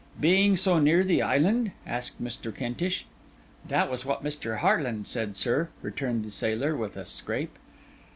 'Being so near the island?' asked Mr. Kentish. 'That was what Mr. Harland said, sir,' returned the sailor, with a scrape.